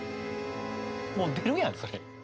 もう出るやんそれ！